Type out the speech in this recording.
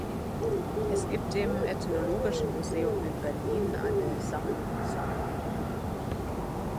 Es gibt im Ethnologischen Museum in Berlin eine "Sammlung Sapper".